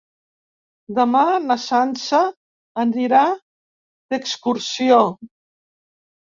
Demà na Sança anirà d'excursió.